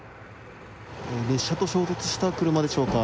列車と衝突した車でしょうか